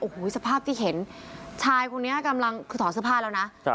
โอ้โหสภาพที่เห็นชายคนนี้กำลังคือถอดเสื้อผ้าแล้วนะ